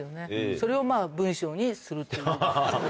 それを文章にするっていう。